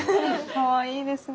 かわいいですね。